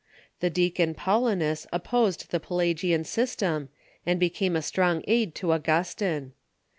The deacon Paulinus opposed the Pela gian system, and became a strong aid to Augustine.